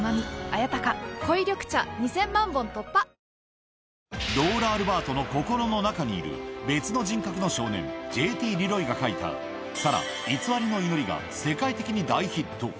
三ツ矢サイダー』ローラ・アルバートの心の中にいる別の人格の少年、ＪＴリロイが書いた、サラ、いつわりの祈りが世界的に大ヒット。